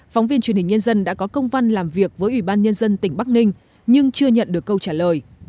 phóng viên truyền hình nhân dân đã có công văn làm việc với ubnd tỉnh bắc ninh nhưng chưa nhận được câu trả lời